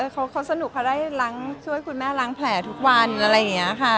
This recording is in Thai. เขาสนุกเขาได้ล้างช่วยคุณแม่ล้างแผลทุกวันอะไรอย่างนี้ค่ะ